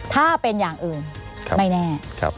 ถ้าเป็นอย่างอื่นไม่แน่